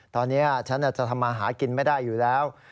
ตอนนี้ฉันจะทำมาหากินไม่ได้อยู่แล้ว